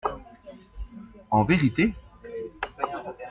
En vérité ?